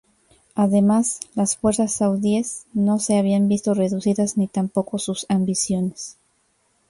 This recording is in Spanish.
Además, las fuerzas saudíes no se habían visto reducidas, ni tampoco sus ambiciones.